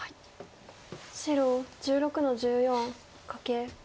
白１６の十四カケ。